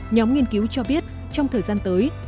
nhóm nghiên cứu cho biết trong thời gian tới